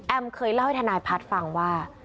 เคยเล่าให้ทนายพัฒน์ฟังว่า